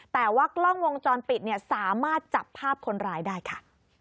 แต่ว่ากล้องวงจรปิดเนี่ยสามารถจับภาพคนร้ายได้ค่ะ